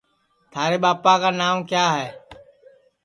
تھارے ٻاپا کا نانٚو کِیا ہے